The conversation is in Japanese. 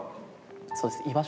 そうです。